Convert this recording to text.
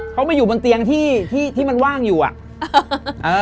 เขามาอยู่บนเตียงที่ที่มันว่างอยู่อ่ะ